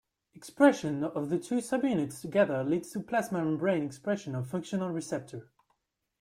Expression of the two subunits together leads to plasma membrane expression of functional receptor.